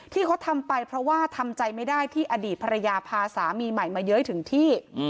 ที่เขาทำไปเพราะว่าทำใจไม่ได้ที่อดีตภรรยาพาสามีใหม่มาเย้ยถึงที่